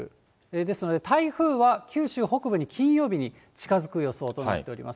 ですので、台風は九州北部に金曜日に近づく予想となっております。